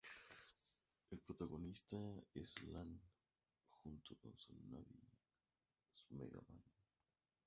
El protagonista es Lan, junto con su navi Mega Man.